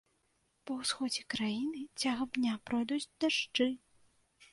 Па ўсходзе краіны цягам дня пройдуць дажджы.